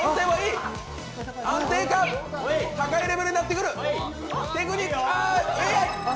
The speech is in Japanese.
安定感、高いレベルになってくる。